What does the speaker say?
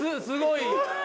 すごい。